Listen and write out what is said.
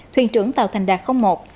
thuyền trưởng tàu thành đạt một